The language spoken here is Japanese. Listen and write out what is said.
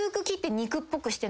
肉っぽくしてる。